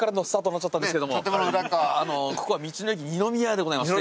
ここは道の駅にのみやでございまして。